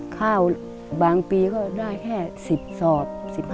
ข้าวบางปีก็ได้แค่๑๐สอบ